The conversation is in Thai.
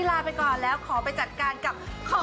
ไอ้เต้าอ้วนก่อนนะครับ